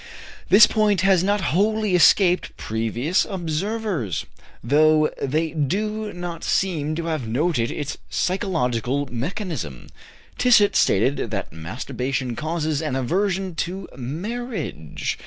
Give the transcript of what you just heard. This point has not wholly escaped previous observers, though they do not seem to have noted its psychological mechanism. Tissot stated that masturbation causes an aversion to marriage.